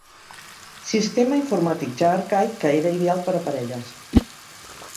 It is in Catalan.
Sistema informàtic ja arcaic que era ideal per a parelles.